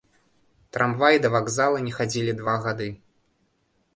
Трамваі да вакзала не хадзілі два гады.